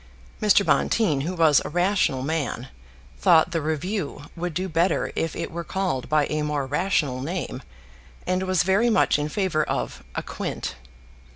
Mr. Bonteen, who was a rational man, thought the "Review" would do better if it were called by a more rational name, and was very much in favour of "a quint."